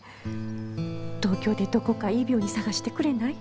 東京でどこかいい病院探してくれない？